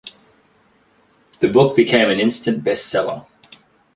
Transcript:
The book became an instant bestseller.